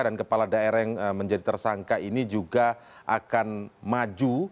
dan kepala daerah yang menjadi tersangka ini juga akan maju